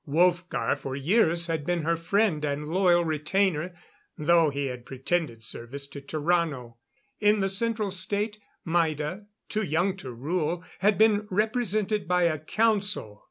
Wolfgar for years had been her friend and loyal retainer, though he had pretended service to Tarrano. In the Central State, Maida, too young to rule, had been represented by a Council.